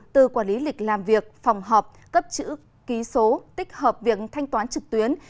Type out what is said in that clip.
từ quản lý lịch làm việc phòng họp cấp chữ ký số tích hợp việc thanh toán trực tuyến